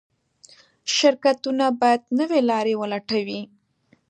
شرکتونه باید نوې لارې ولټوي.